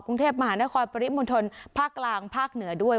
กรุงเทพมหานครปริมณฑลภาคกลางภาคเหนือด้วย